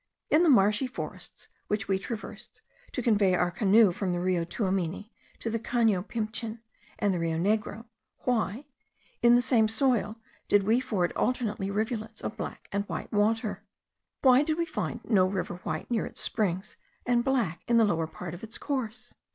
In the marshy forest which we traversed, to convey our canoe from the Rio Tuamini to the Cano Pimichin and the Rio Negro, why, in the same soil, did we ford alternately rivulets of black and white water? Why did we find no river white near its springs, and black in the lower part of its course?